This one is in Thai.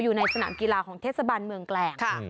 อยู่ในสนามกีฬาของเทศบาลเมืองแกลง